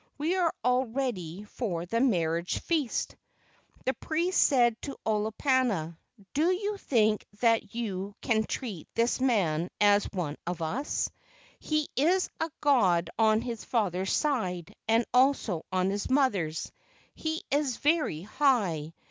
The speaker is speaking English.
We are all ready for the marriage feast." The priest said to Olopana: "Do you think that you can treat this man as one of us? He is a god on his father's side and also on his mother's. He is very high.